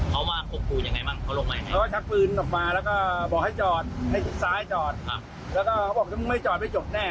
เขาก็ชัดพืนออกมาบอกให้จอดซ้ายให้จอดก็บอกจ๋ยบนไม่จอดไม่จบแน่